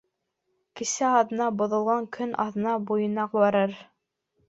Кесаҙна боҙолған көн аҙна буйына барыр.